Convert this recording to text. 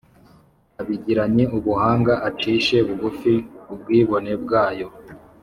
abigiranye ubuhanga acishe bugufi ubwibone bwayo